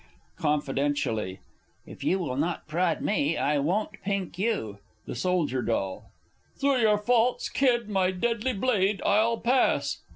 (Confidentially.) (If you will not prod me, I won't pink you.) The Soldier D. Through your false kid my deadly blade I'll pass!